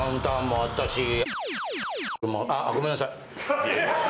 あごめんなさい。